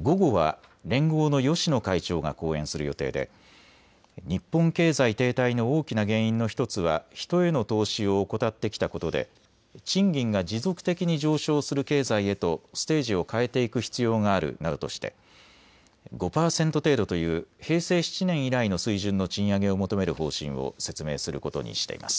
午後は連合の芳野会長が講演する予定で日本経済停滞の大きな原因の１つは人への投資を怠ってきたことで賃金が持続的に上昇する経済へとステージを変えていく必要があるなどとして５％程度という平成７年以来の水準の賃上げを求める方針を説明することにしています。